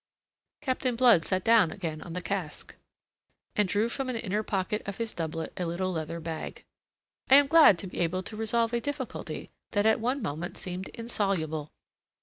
Captain Blood sat down again on the cask, and drew from an inner pocket of his doublet a little leather bag. "I am glad to be able to resolve a difficulty that at one moment seemed insoluble."